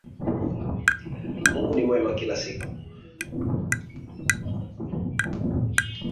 Mungu ni mwema kila siku